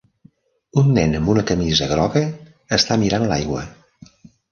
Un nen amb una camisa groga està mirant l"aigua.